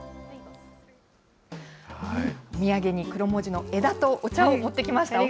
お土産にクロモジの枝とお茶を持ってきました。